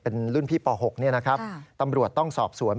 เป็นรุ่นพี่ป๖ตำรวจต้องสอบสวน